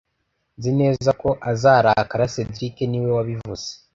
Nzi neza ko azarakara cedric niwe wabivuze